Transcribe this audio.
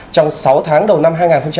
trong sáu tháng đầu năm hai nghìn hai mươi